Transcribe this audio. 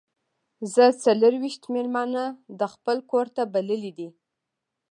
زه څلور ویشت میلمانه د خپل کور ته بللي دي.